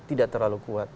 tidak terlalu kuat